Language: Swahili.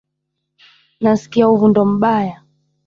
Nasikia uvundo mbaya